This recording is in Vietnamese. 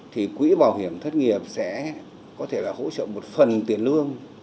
thì quỹ bảo hiểm thất nghiệp sẽ có thể là hỗ trợ một phần tiền lương